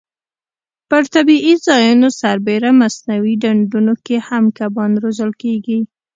پر طبیعي ځایونو سربېره مصنوعي ډنډونو کې هم کبان روزل کېږي.